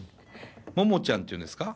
モモちゃんって言うんですか？